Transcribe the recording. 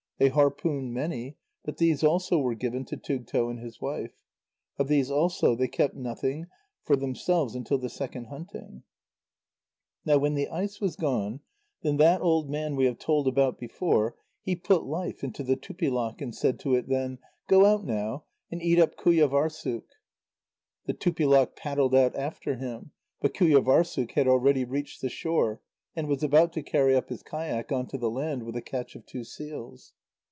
They harpooned many, but these also were given to Tugto and his wife. Of these also they kept nothing for themselves until the second hunting. Now when the ice was gone, then that old man we have told about before, he put life into the Tupilak, and said to it then: "Go out now, and eat up Qujâvârssuk." The Tupilak paddled out after him, but Qujâvârssuk had already reached the shore, and was about to carry up his kayak on to the land, with a catch of two seals.